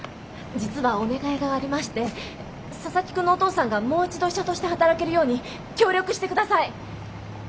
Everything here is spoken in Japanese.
実はお願いがありまして佐々木くんのお父さんがもう一度医者として働けるように協力して下さい！